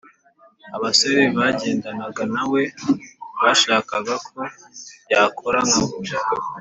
Abasore bagendanaga na We bashakaga ko yakora nkabo